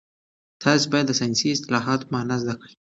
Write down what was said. تاسي باید د ساینسي اصطلاحاتو مانا زده کړئ.